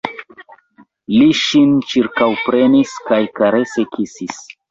Li ŝin ĉirkaŭprenis kaj karese kisis.